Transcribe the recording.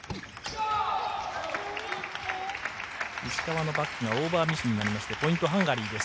石川のバックがオーバーミスになりまして、ポイントはハンガリーです。